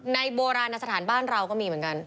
โบราณสถานบ้านเราก็มีเหมือนกัน